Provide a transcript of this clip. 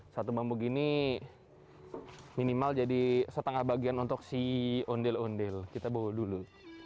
satu bambu gini minimal jadi setengah bagian untuk si ondel ondel kita bawa dulu